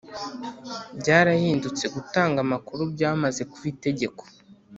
byarahindutse gutanga amakuru byamaze kuba itegeko.